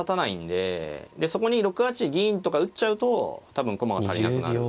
でそこに６八銀とか打っちゃうと多分駒が足りなくなる。